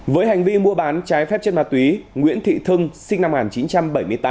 với hành vi mua bán trái phép chất ma túy nguyễn thị thung sinh năm một nghìn chín trăm bảy mươi tám